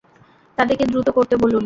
তাদেরকে দ্রুত করতে বলুন।